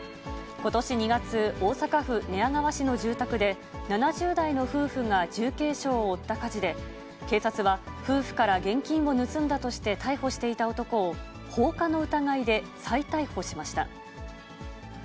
ことし２月、大阪府寝屋川市の住宅で、７０代の夫婦が重軽傷を負った火事で、警察は夫婦から現金を盗んだとして逮捕していた男を、放火の疑いで再逮捕しました。